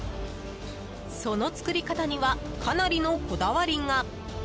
その作り方にはかなりのこだわりが。